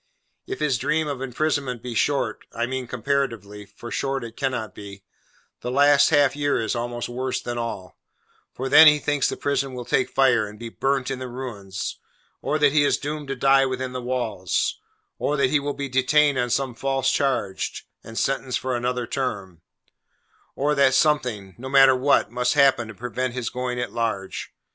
If his term of imprisonment be short—I mean comparatively, for short it cannot be—the last half year is almost worse than all; for then he thinks the prison will take fire and he be burnt in the ruins, or that he is doomed to die within the walls, or that he will be detained on some false charge and sentenced for another term: or that something, no matter what, must happen to prevent his going at large.